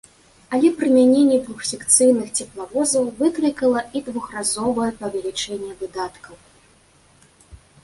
Але прымяненне двухсекцыйных цеплавозаў выклікала і двухразовае павелічэнне выдаткаў.